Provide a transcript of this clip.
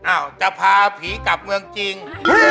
จะพาผีกลับเมืองจริง